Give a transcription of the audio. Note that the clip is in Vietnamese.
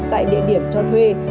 tại địa điểm cho thuê